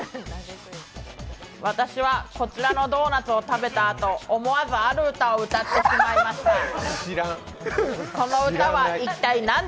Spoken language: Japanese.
私はこちらのドーナツを食べたあと思わずある歌を歌ってしまいました。